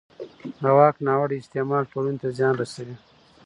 د واک ناوړه استعمال ټولنې ته زیان رسوي